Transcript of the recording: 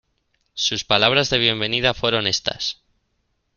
sus palabras de bienvenida fueron éstas: